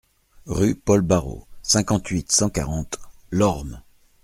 Rue Paul Barreau, cinquante-huit, cent quarante Lormes